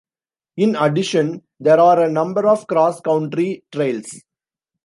In addition, there are a number of cross-country trails.